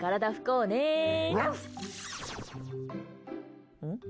うん？